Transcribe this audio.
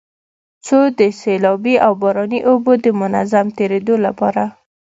څو د سيلابي او باراني اوبو د منظم تېرېدو لپاره